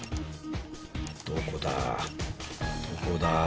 どこだ？